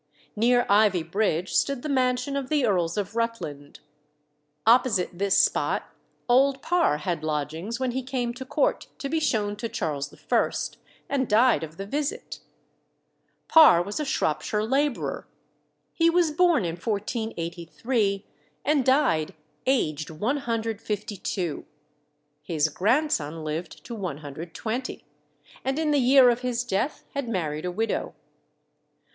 Near Ivy Bridge stood the mansion of the Earls of Rutland. Opposite this spot Old Parr had lodgings when he came to court to be shown to Charles I., and died of the visit. Parr was a Shropshire labourer. He was born in 1483, and died aged 152. His grandson lived to 120, and in the year of his death had married a widow.